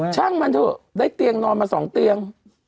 ช่างมันเถอะได้เตียงนอนมา๒เตียง